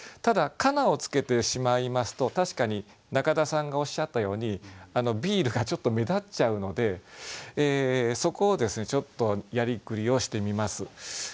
ただ「かな」をつけてしまいますと確かに中田さんがおっしゃったように「ビール」がちょっと目立っちゃうのでそこをですねちょっとやりくりをしてみます。